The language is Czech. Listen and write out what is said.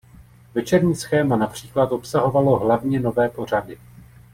Večerní schéma například obsahovalo hlavně nové pořady.